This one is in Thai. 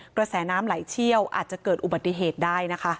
กระแสน้ำไหลเชี่ยวอาจจะเกิดอุบัติเหตุได้นะคะ